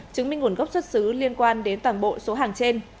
chứng minh nguồn gốc xuất xứ liên quan đến toàn bộ số hàng trên